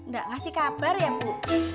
nggak ngasih kabar ya bu